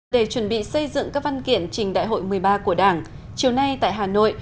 để chuẩn bị xây dựng các văn kiện trình đại hội một mươi ba của đảng chiều nay tại hà nội